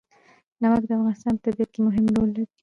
نمک د افغانستان په طبیعت کې مهم رول لري.